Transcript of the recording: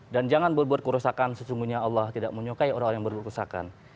dan jangan berbuat kerusakan sesungguhnya allah tidak menyukai orang orang yang berbuat kerusakan